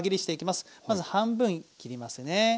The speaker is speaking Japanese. まず半分切りますね。